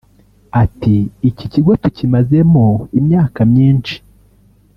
Ati “Iki kigo tukimazemo imyaka myinshi